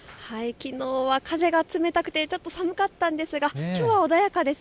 きのうは風が冷たくてちょっと寒かったんですがきょうは穏やかです。